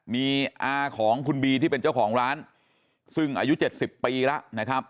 มีอาของคุณบีที่เป็นเจ้าของร้านซึ่งอายุ๗๐ปีแล้วนะครับ